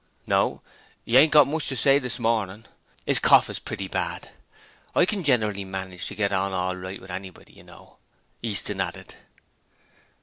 'No; 'e ain't got much to say this morning; 'is cough's pretty bad. I can generally manage to get on orl right with anybody, you know,' Easton added.